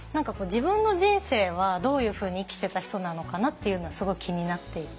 自分の人生はどういうふうに生きてた人なのかなっていうのはすごい気になっていて。